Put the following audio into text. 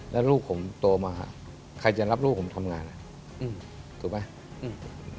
แล้วลูกผมโตมาใครจะรับลูกผมทำงานถูกไหม